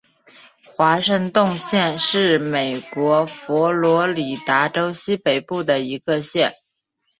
华盛顿县是美国佛罗里达州西北部的一个县。